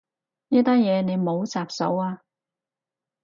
呢單嘢你唔好插手啊